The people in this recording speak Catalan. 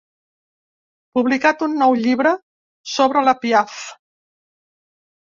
Publicat un nou llibre sobre la Piaff.